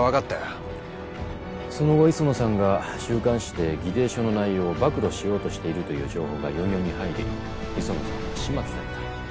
その後磯野さんが週刊誌で議定書の内容を暴露しようとしているという情報が４４に入り磯野さんは始末された。